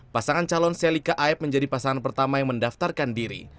pasangan calon selika aib menjadi pasangan pertama yang mendaftarkan diri